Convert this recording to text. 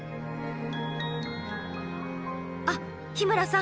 あっ日村さん